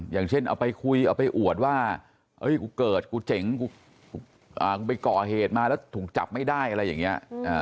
อย่างเช่นเอาไปคุยเอาไปอวดว่ากูเกิดกูเจ๋งกูไปก่อเหตุมาแล้วถูกจับไม่ได้อะไรอย่างนี้